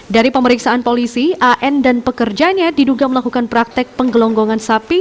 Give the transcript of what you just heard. dari pemeriksaan polisi an dan pekerjanya diduga melakukan praktek penggelonggongan sapi